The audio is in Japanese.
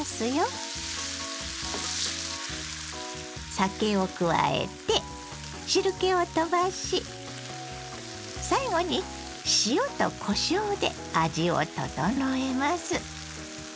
酒を加えて汁けをとばし最後に塩とこしょうで味を調えます。